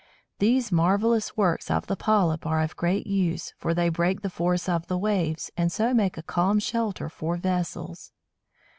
These marvellous works of the polyp are of great use, for they break the force of the waves, and so make a calm shelter for vessels.